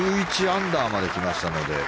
１１アンダーまで来ましたので。